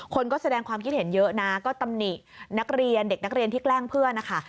คนก็แสดงความคิดเห็นเยอะนะก็ตำหนิดกาลเด็กที่แลกเพื่อนค่ะ